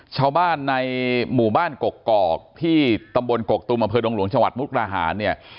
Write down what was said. ชาวบ้านในหมู่บ้านกกอกที่ตำบลกกตุมอำเภอดงหลวงจังหวัดมุกราหารเนี่ย